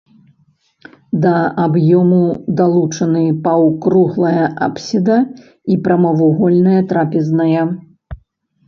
Да аб'ёму далучаны паўкруглая апсіда і прамавугольная трапезная.